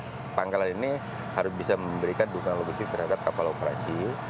nah pangkalan ini harus bisa memberikan dukungan logistik terhadap kapal operasi